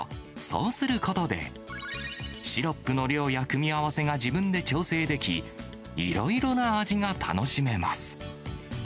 そうすることで、シロップの量や組み合わせが自分で調整でき、いろいろな味が楽しめます。